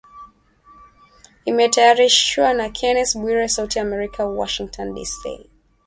Imetayarishwa na Kennes Bwire, Sauti ya Amerika, Washington DC